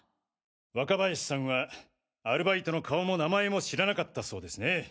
若林さんはアルバイトの顔も名前も知らなかったそうですね？